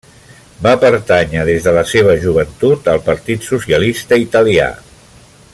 Va pertànyer des de la seva joventut al Partit Socialista Italià.